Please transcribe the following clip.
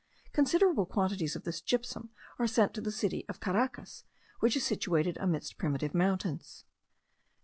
Considerable quantities of this gypsum are sent to the city of Caracas,* which is situated amidst primitive mountains.